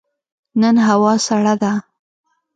نن هوا سړه ده.